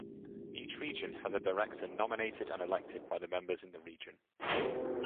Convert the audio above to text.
Each Region has a Director nominated and elected by the members in the Region.